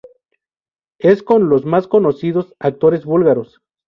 Es con los más conocidos actores búlgaros.